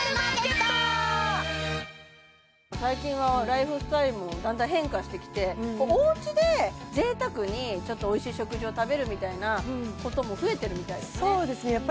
最近はライフスタイルもだんだん変化してきておうちで贅沢にちょっとおいしい食事を食べるみたいなことも増えてるみたいですね